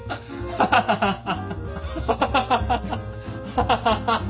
ハハハハハ！